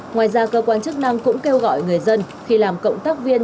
ngoài ra cơ quan chức năng cũng kêu gọi người dân khi làm cộng tác viên